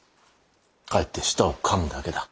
かえって舌をかむだけだ。